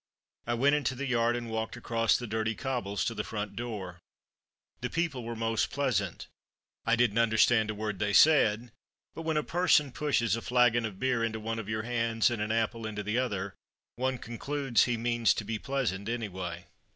I went into the yard and walked across the dirty cobbles to the front door. The people were most pleasant. I didn't understand a word they said; but when a person pushes a flagon of beer into one of your hands and an apple into the other, one concludes he means to be pleasant, anyway.